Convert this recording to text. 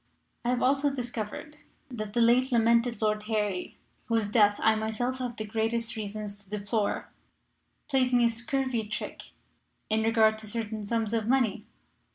"I have also discovered that the late lamented Lord Harry, whose death I myself have the greatest reasons to deplore, played me a scurvy trick in regard to certain sums of money.